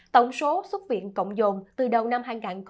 tổng số xuất viện cộng dồn từ đầu năm hai nghìn chín